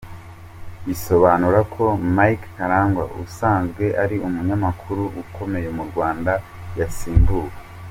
Bisobanura ko Mike Karangwa usanzwe ari umunyamakuru ukomeye mu Rwanda yasimbuwe.